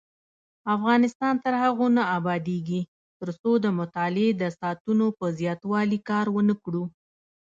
افغانستان تر هغو نه ابادیږي، ترڅو د مطالعې د ساعتونو په زیاتوالي کار ونکړو.